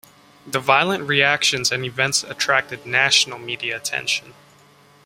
The violent reactions and events attracted national media attention.